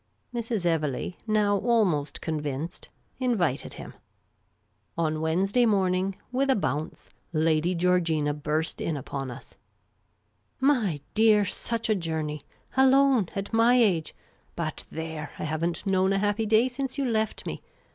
Mrs. Evelegh, now almost convinced, invited him. On Wednesday morning, with a bounce, Lady Georgina burst The Amateur Commission Agent 113 in upon us. " My dear, such a journey !— alone, at my age — bnt there, I have n't known a happy day since you left me